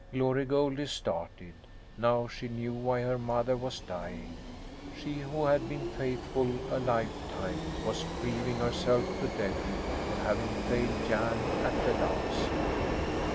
Glory Goldie started. Now she knew why her mother was dying; she who had been faithful a lifetime was grieving herself to death for having failed Jan at the last.